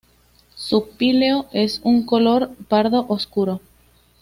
Su píleo es de color pardo oscuro.